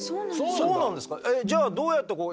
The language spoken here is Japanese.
そうなんですか！？